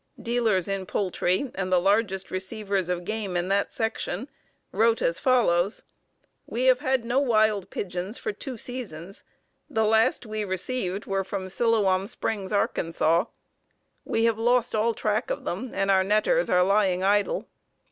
dealers in poultry, and the largest receivers of game in that section, wrote as follows: "We have had no wild pigeons for two seasons; the last we received were from Siloam Springs, Ark. We have lost all track of them, and our netters are lying idle."